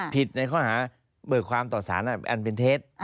ผิดแล้วเขาหาเบิกความต่อศาลอันเป็นเท็จ